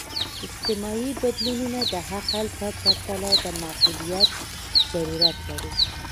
اجتماعي بدلونونه د عقل په پرتله د معقولیت ضرورت لري.